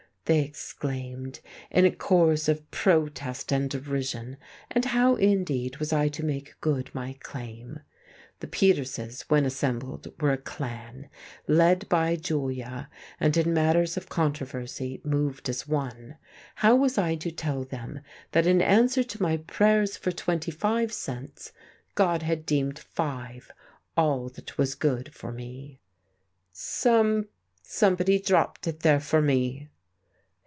they exclaimed, in a chorus of protest and derision. And how, indeed, was I to make good my claim? The Peterses, when assembled, were a clan, led by Julia and in matters of controversy, moved as one. How was I to tell them that in answer to my prayers for twenty five cents, God had deemed five all that was good for me? "Some somebody dropped it there for me."